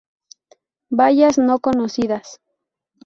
Bayas no conocidas.